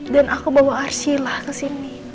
dan aku bawa arsila kesini